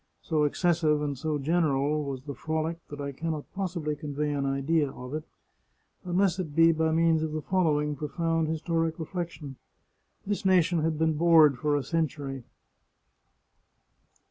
So excessive and so general was the frolic that I can not possibly convey an idea of it, unless it be by means of the following profound historic reflection: This nation had been bored for a century!